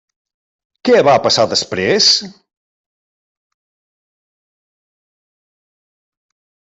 Què va passar després?